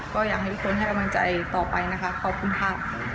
ก็อยากให้ทุกคนให้กำลังใจต่อไปนะคะขอบคุณค่ะ